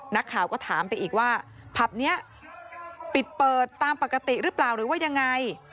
นักข่าวก็ถามไปอีกว่าผับนี้ปิดเปิดตามปกติหรือเปล่าหรือว่ายังไง